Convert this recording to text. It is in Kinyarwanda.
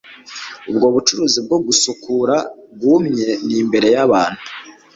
Ubwo bucuruzi bwogusukura bwumye ni imbere yabantu